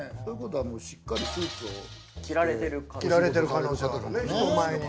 しっかりスーツを着られている方の可能性が高い。